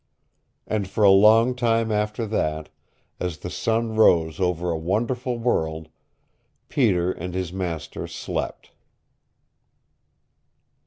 And for a long time after that, as the sun rose over a wonderful world, Peter and his master slept.